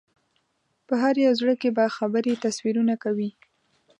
په هر یو زړه کې به خبرې تصویرونه کوي